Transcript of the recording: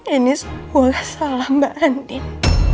ini semua salah mbak andin